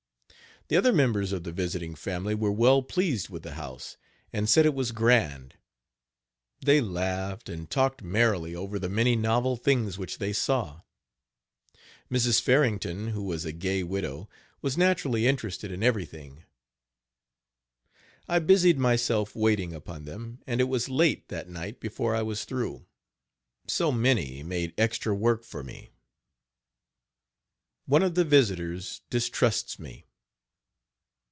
The other members of the visiting family were well pleased with the house, and said it was grand. They laughed and talked merrily over the many novel things which they saw. Mrs. Farrington, who was a gay widow, was naturally interested in everything. I busied myself waiting upon them, and it was late that night before I was through. So many made extra work for me. Page 70 ONE OF THE VISITORS DISTRUSTS ME.